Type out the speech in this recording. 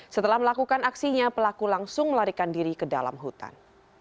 setelah melakukan aksinya pelaku langsung melarikan diri ke dalam hutan